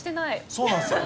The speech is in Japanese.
そうなんですよ。